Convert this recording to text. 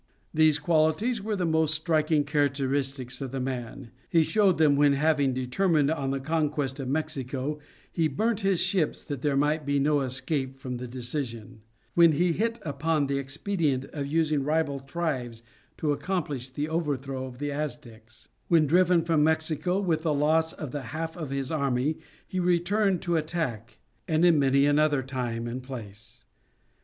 These qualities were the most striking characteristics of the man. He showed them when having determined on the conquest of Mexico he burnt his ships that there might be no escape from the decision; when he hit upon the expedient of using rival tribes to accomplish the overthrow of the Aztecs; when, driven from Mexico with the loss of the half of his army he returned to the attack; and in many another time and place.